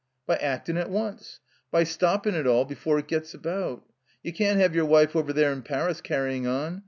"By actin' at once. By stoppin' it all before it gets about. You can't have your wife over there in Paris canyin* on.